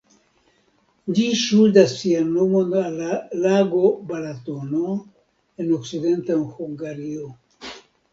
Ĝi ŝuldas sian nomon al la lago Balatono, en okcidenta Hungario.